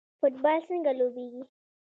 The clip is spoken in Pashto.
فوټبال څنګه لوبیږي؟